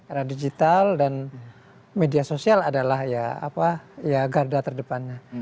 era digital dan media sosial adalah garda terdepannya